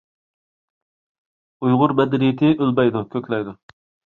ئۇيغۇر مەدەنىيىتى ئۆلمەيدۇ، كۆكلەيدۇ!